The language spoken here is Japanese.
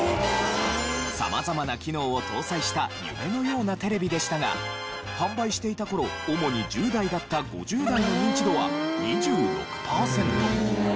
様々な機能を搭載した夢のようなテレビでしたが販売していた頃主に１０代だった５０代のニンチドは２６パーセント。